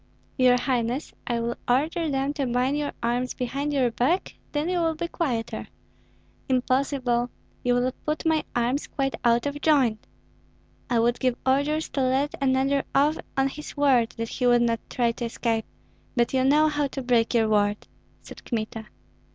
"Your highness, I will order them to bind your arms behind your back; then you will be quieter." "Impossible! You will put my arms quite out of joint." "I would give orders to let another off on his word that he would not try to escape, but you know how to break your word," said Kmita.